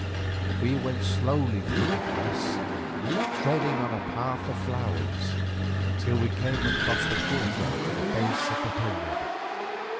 We went slowly through the press, treading on a path of flowers, till we came across the courtyard to the base of the pyramid.